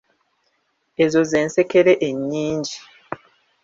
Ezo z'ensekere enyingi.